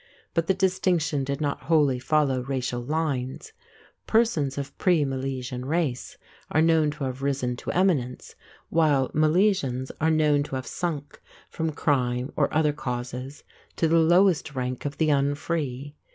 But the distinction did not wholly follow racial lines. Persons of pre Milesian race are known to have risen to eminence, while Milesians are known to have sunk, from crime or other causes, to the lowest rank of the unfree.